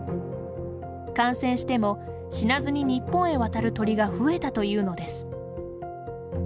感染しても死なずに日本へ渡る鳥が増えたというのです。